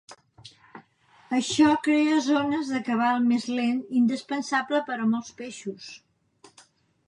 Això crea zones de cabal més lent, indispensable per a molts peixos.